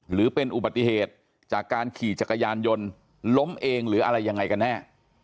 หรือเป็นอุบัติเหตุจากการขี่จักรยานยนต์ล้มเองหรืออะไรยังไงกันแน่